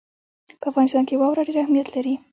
په افغانستان کې واوره ډېر اهمیت لري.